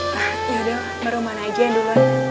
ya udah baru mana aja yang duluan